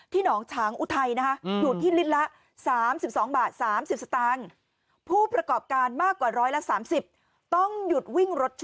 ที่นองฉางอุ่นไทยนะคะถูกถึงลิศละ